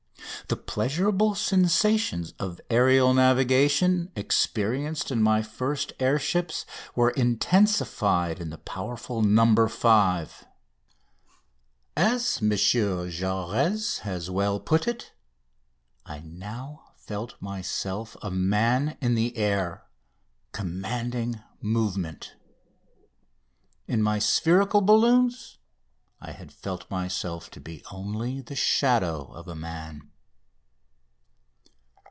The pleasurable sensations of aerial navigation experienced in my first air ships were intensified in the powerful "No. 5." As M. Jaurès has well put it, I now felt myself a man in the air, commanding movement. In my spherical balloons I had felt myself to be only the shadow of a man!